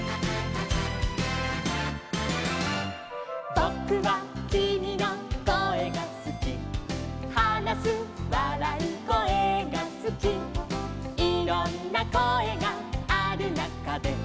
「ぼくはきみのこえがすき」「はなすわらうこえがすき」「いろんなこえがあるなかで」